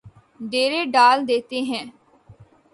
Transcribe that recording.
ڈیرے ڈال دیتے ہیں